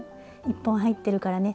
１本入ってるからね